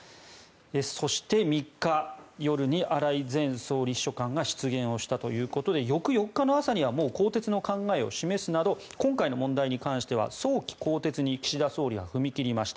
そして、３日夜に荒井前総理秘書官が失言をしたということで翌４日の朝には更迭の考えを示すなど今回の問題に関しては早期更迭に岸田総理は踏み切りました。